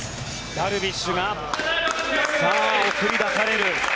ダルビッシュが送り出される。